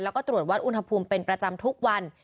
แล้วก็ตรวจวัดอุณหภูมิเป็นประจำทุกวัน